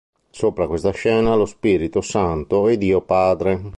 Sopra questa scena lo "Spirito Santo" e "Dio Padre".